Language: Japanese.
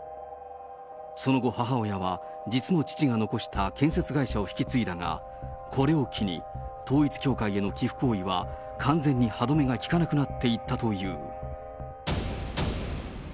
その後、母親は実の父が残した建設会社を引き継いだが、これを機に、統一教会への寄付行為は、完全に歯止めが利かなくなっていったという。